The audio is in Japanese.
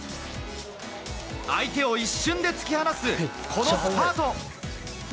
相手を一瞬で突き放すこのスパート。